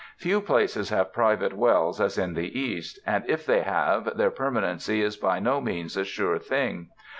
Few places have private wells as in the East, and if they have, their permanency is by no means a sure thing.